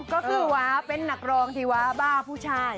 ก็คือว่าเป็นนักร้องที่ว่าบ้าผู้ชาย